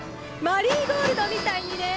マリーゴールドみたいにね！